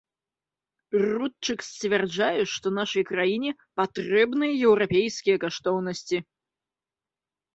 Рудчык сцвярджае, што нашай краіне патрэбныя еўрапейскія каштоўнасці.